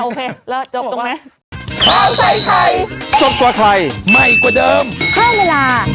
โอเคแล้วจบตรงไหน